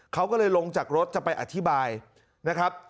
เขาก็เลยลงจากรถจะไปอธิบายนะครับ